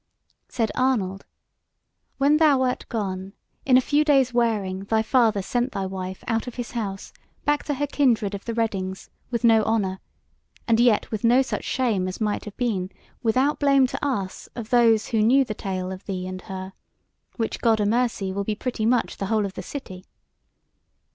Said Arnold: "When thou wert gone, in a few days' wearing, thy father sent thy wife out of his house back to her kindred of the Reddings with no honour, and yet with no such shame as might have been, without blame to us of those who knew the tale of thee and her; which, God a mercy, will be pretty much the whole of the city."